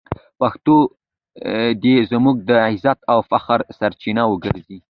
پښتو دې زموږ د عزت او فخر سرچینه وګرځي.